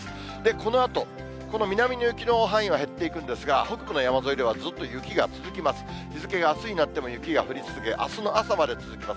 このあと、この南の雪の範囲は減っていくんですが、北部の山沿いではずっと雪が続きます。